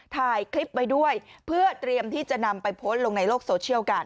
ถ่ายคลิปไว้ด้วยเพื่อเตรียมที่จะนำไปโพสต์ลงในโลกโซเชียลกัน